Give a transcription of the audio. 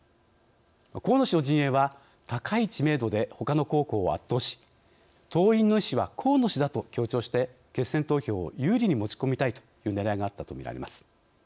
河野氏の陣営は高い知名度でほかの候補を圧倒し党員の意思は河野氏だと強調して決選投票を有利に持ち込みたいというねらいがあったとみられます。